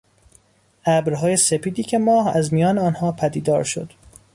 ابرهای سپیدی که ماه از میان آنها پدیدار شد